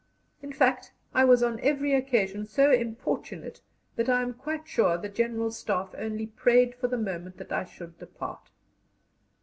In fact, I was on every occasion so importunate that I am quite sure the General's Staff only prayed for the moment that I should depart.